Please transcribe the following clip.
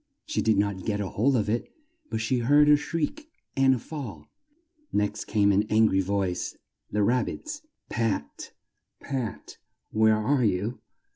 She did not get hold of it, but she heard a shriek and a fall. Next came an an gry voice the Rab bit's "Pat! Pat! Where are you?"